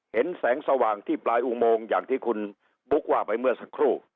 เห็นแสงสว่างที่ปลายอุโมงอย่างที่คุณบุ๊คว่าไปเมื่อสักครู่